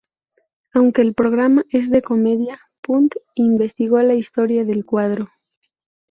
Aunque el programa es de comedia, Punt investigó la historia del cuadro.